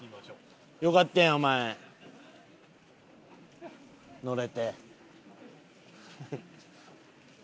よかったやんお前乗れて。